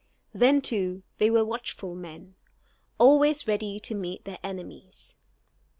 Then, too, they were watchful men, always ready to meet their enemies.